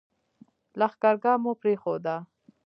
لښکرګاه مو پرېښوده.